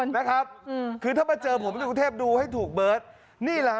ไว้รุ่นภาคเหนือดูแลหน่อย